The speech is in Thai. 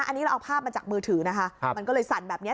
อันนี้เราเอาภาพมาจากมือถือนะคะมันก็เลยสั่นแบบนี้